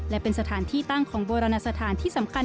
และเป็นสถานที่ตั้งของโบราณสถานที่สำคัญ